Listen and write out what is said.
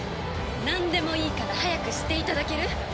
なんでもいいから早くしていただける？